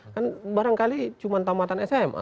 kan barangkali cuma tamatan sma